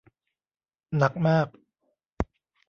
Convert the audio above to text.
หนักมาก